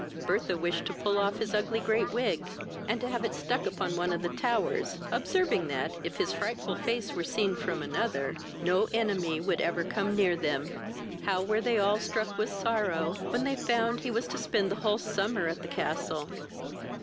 Bertha wished to pull off his ugly great wig, and to have it stuck upon one of the towers, observing, that, if his frightful face were seen from another, no enemy would ever come near them. How were they all struck with sorrow when they found he was to spend the whole summer at the castle.